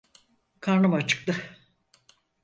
Karnım acıktı.